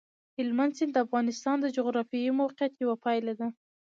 هلمند سیند د افغانستان د جغرافیایي موقیعت یوه پایله ده.